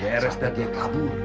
beres dan dia kabur